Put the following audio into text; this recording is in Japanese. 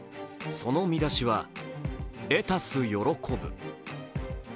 その見出しは「レタス喜ぶ」。